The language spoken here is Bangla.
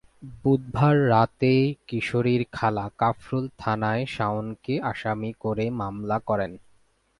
বুধবার রাতে কিশোরীর খালা কাফরুল থানায় শাওনকে আসামি করে মামলা করেন।